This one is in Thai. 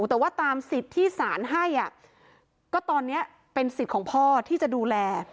แต่ว่าตามสิทธิ์ที่ศาลให้ก็ตอนนี้เป็นสิทธิ์ของพ่อที่จะดูแล